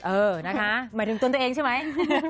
เออนะคะหมายถึงตนตัวเองใช่ไหม